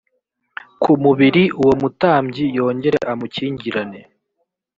ku mubiri uwo mutambyi yongere amukingirane